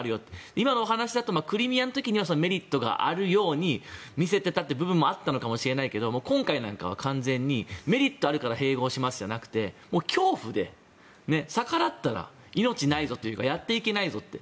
今のお話だとクリミアの時はメリットがあるよと見せかけていたというのはあったのかもしれないけど今回なんかは本当にメリットがあるから併合しますじゃなくて恐怖で逆らったら命ないぞというかやっていけないぞって。